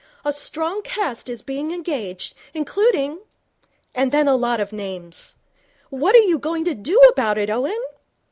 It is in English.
A strong cast is being engaged, including " And then a lot of names. What are you going to do about it, Owen?'